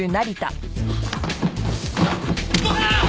動くな！